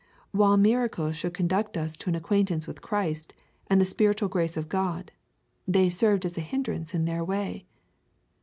While miracles should conduct us to an acquaintance with Christ, and the spiritual grace of God, they served as a hindrance in their way.